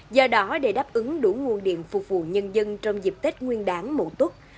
do đó để đáp ứng đủ nguồn điện phục vụ nhân dân trong dịp tết nguyên đán mậu tuất